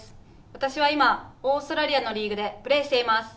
私は今、オーストラリアのリーグでプレーしています。